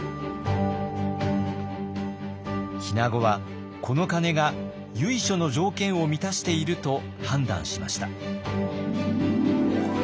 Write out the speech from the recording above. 日名子はこの鐘が由緒の条件を満たしていると判断しました。